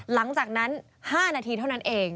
หลังจากนั้น๕นาทีเท่านั้นเอง